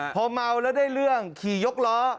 พอเมาแล้วได้เรื่องขี่ยกล้อ